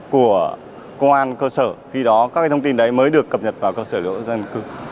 của công an cơ sở khi đó các cái thông tin đấy mới được cập nhật vào cơ sở dữ liệu dân cư